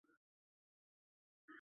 Bu bilan xayolimni o’g’irlagan u.